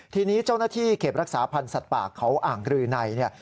ทีนี้เจ้าหน้าที่เขตรักษาพันธ์สัตว์ป่าเขาอ่างรือในเนี่ย